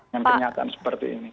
dengan kenyataan seperti ini